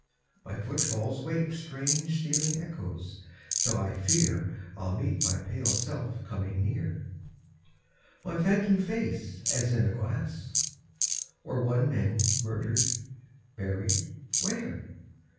My footfalls wake Strange stealing echoes, till I fear I'll meet my pale self coming near; My phantom face as in a glass; Or one men murdered, buried where?